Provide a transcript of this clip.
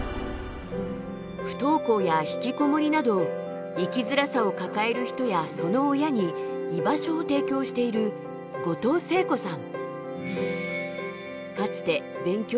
不登校やひきこもりなど生きづらさを抱える人やその親に居場所を提供している後藤誠子さん。